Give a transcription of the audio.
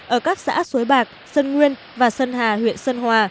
ở các xã suối bạc sơn nguyên và sơn hà huyện sơn hòa